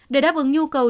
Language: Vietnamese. để đáp ứng nhu cầu